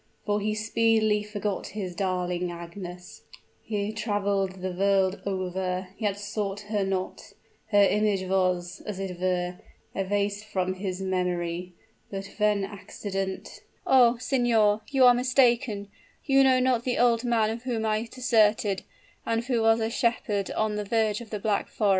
For he speedily forgot his darling Agnes he traveled the world over, yet sought her not her image was, as it were, effaced from his memory. But when accident " "Oh! signor, you are mistaken you know not the old man whom I deserted, and who was a shepherd on the verge of the Black Forest!"